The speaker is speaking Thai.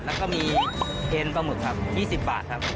แล้วก็มีเทนปลาหมึกครับ๒๐บาทครับ